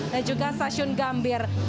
dan juga stasiun gambir